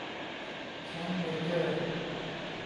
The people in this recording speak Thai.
แชมป์เมเจอร์